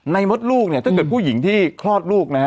ในมดลูกถ้าเกิดผู้หญิงที่คลอดลูกนะครับ